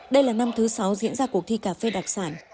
đây là năm thứ sáu diễn ra cuộc thi cà phê đặc sản